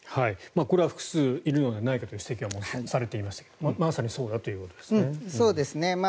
これは複数いるのではないかという指摘は申されていましたがまさにそうだということですね。